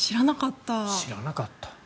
知らなかった。